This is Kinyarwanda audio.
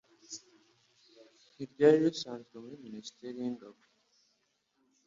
ntiryari risanzwe muri ministere y'ingabo.